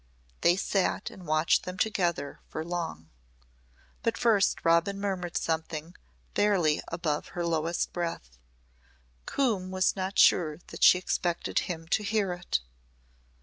They sat and watched them together for long. But first Robin murmured something barely above her lowest breath. Coombe was not sure that she expected him to hear it.